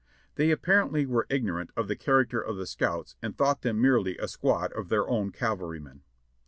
They apparently were ignorant of the character of the scouts and thought them merely a squad of their own cavalrymen.